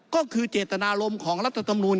ก็คือเจตนารมณ์ของรัฐธรรมนูล